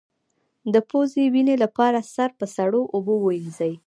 د پوزې وینې لپاره سر په سړو اوبو ووینځئ